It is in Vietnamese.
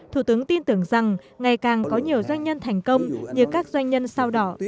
thủ tướng tin tưởng rằng ngày càng có nhiều doanh nhân thành công như các doanh nhân sao đỏ